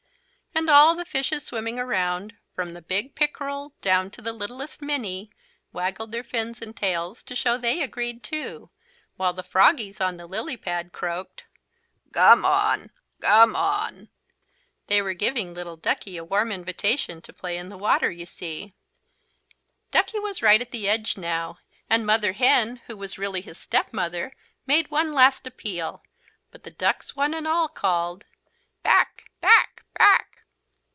And all the fishes swimming around, from the big pickerel down to the littlest "minnie," waggled their fins and tails to show they agreed too, while the froggies on the lily pad croaked: "Gomme on gomme on!" They were giving little Duckie a warm invitation to play in the water, you see. Duckie was right at the edge now and Mother Hen, who was really his step mother, made one last appeal, but the ducks one and all called: "Back, back, back!"